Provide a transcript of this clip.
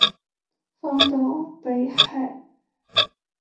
贾拓夫则被下放到北京钢铁公司当副经理。